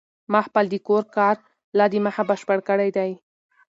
ما خپل د کور کار لا د مخه بشپړ کړی دی.